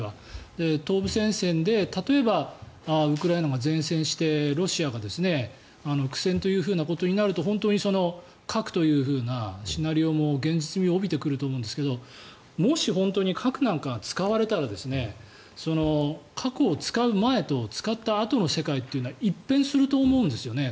東部戦線で例えばウクライナが善戦してロシアが苦戦ということになると本当に核というふうなシナリオも現実味を帯びてくると思うんですがもし本当に核なんかが使われたら核を使う前と使ったあとの世界というのは一変すると思うんですよね